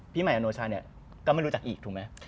พี่หมายอนโนชาเนี่ยก็ไม่รู้จักอีกถูกมั้ย